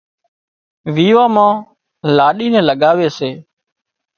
ويوان مان لاڏِي نين لڳاوي سي